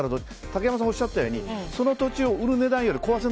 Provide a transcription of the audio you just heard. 竹山さんがおっしゃったようにその土地を売る値段より壊す